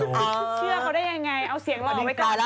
คุณเชื่อเขาได้ยังไงเอาเสียงเหล่านี้ไว้ก่อน